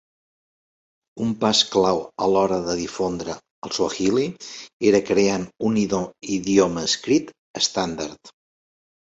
Un pas clau a l'hora de difondre el suahili era creant un idioma escrit estàndard.